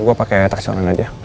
gue pake taksi orang lain aja